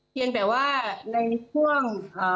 เพียงแต่ว่าในช่วง